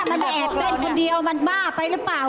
มันไปแอบเต้นคนเดียวมันบ้าไปหรือเปล่า